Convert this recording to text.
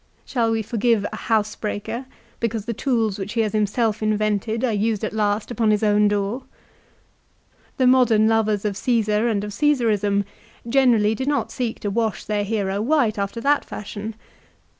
Shall we forgive a housebreaker because the tools which he has himself invented are used at last upon his own door ? The modern lovers of Caesar and of Cffisarism generally do not seek to wash their hero white after that fashion.